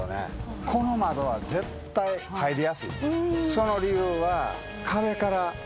その理由は。